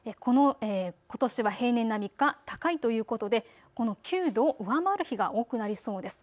ことしは平年並みか高いということでこの９度を上回る日が多くなりそうです。